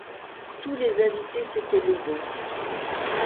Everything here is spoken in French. Tous les invités s'étaient levés.